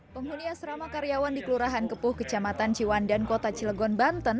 pembuli asrama karyawan di kelurahan kepuh kecamatan ciwan dan kota cilegon banten